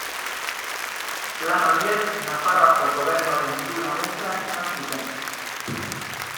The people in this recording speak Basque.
Lan horiek Nafarroako gobernuaren diru laguntza izan zuten.